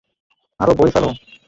আরো বই ফেলো!